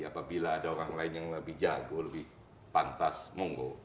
apabila ada orang lain yang lebih jago lebih pantas monggo